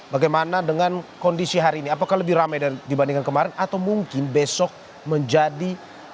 bagaimana dengan kondisi hari ini apakah lebih ramai dibandingkan kemarin atau mungkin besok menjadi